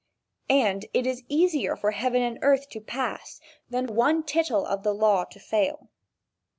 "And it is easier for heaven and earth to pass, than one tittle of the law to fail."